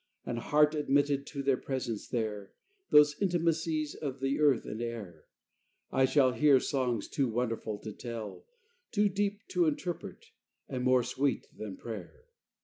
And heart admitted to their presence there, Those intimacies of the earth and air, It shall hear things too wonderful to tell, Too deep to interpret, and more sweet than prayer.